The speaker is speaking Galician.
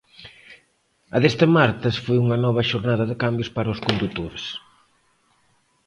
A deste martes foi unha nova xornada de cambios para os condutores.